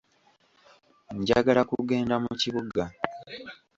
Njagala kugenda mu kibuga.